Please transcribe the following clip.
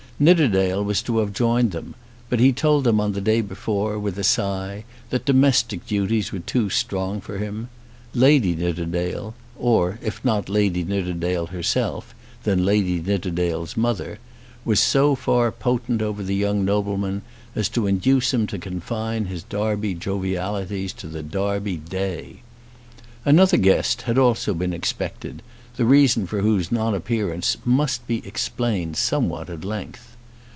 Nidderdale was to have joined them, but he told them on the day before, with a sigh, that domestic duties were too strong for him. Lady Nidderdale, or if not Lady Nidderdale herself, then Lady Nidderdale's mother, was so far potent over the young nobleman as to induce him to confine his Derby jovialities to the Derby Day. Another guest had also been expected, the reason for whose non appearance must be explained somewhat at length.